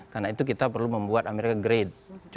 karena itu kita perlu membuat amerika great